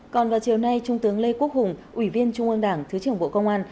còn vào chiều nay trung tướng lê quốc hùng ủy viên trung ương đảng thứ trưởng bộ công an